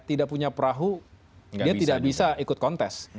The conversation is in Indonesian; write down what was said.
tidak punya perahu dia tidak bisa ikut kontes